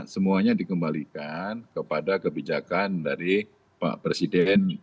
semuanya dikembalikan kepada kebijakan dari pak presiden